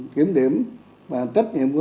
kiểm điểm và trách nhiệm